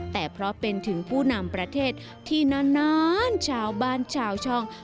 แต่เพราะเป็นถึงผู้นำประเทศที่นานชาวบ้านชาวช่อง